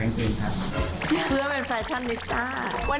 เป็นแหน่บไปต่อแล้วมันจะได้ทรงมากกว่า